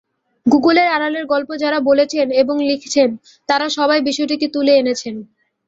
গুগলের আড়ালের গল্প যাঁরা বলেছেন এবং লিখেছেন, তাঁরা সবাই বিষয়টিকে তুলে এনেছেন।